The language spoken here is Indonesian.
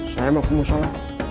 saya mau ke musyala